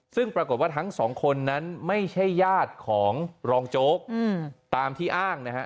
ซึ่งปรากฏว่าทั้งสองคนนั้นไม่ใช่ญาติของรองโจ๊กตามที่อ้างนะฮะ